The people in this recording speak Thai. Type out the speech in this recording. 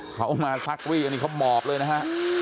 เขามาซักรีดมอบเลยนะฮะ